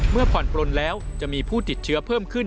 เมื่อผ่อนปลนแล้วจะมีผู้ติดเชื้อเพิ่มขึ้น